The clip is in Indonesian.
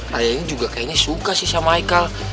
raya ini juga kayaknya suka sih sama haikal